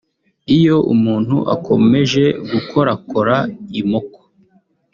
Iyo umuntu akomeje gukorakora imoko